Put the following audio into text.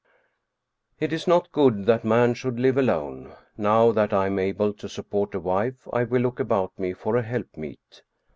It is not good that man should live alone. Now that I am able to support a wife I will look about me for a help meet.